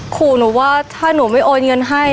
ขู่หนูว่าถ้าหนูไม่โอนเงินให้